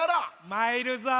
まいるぞ。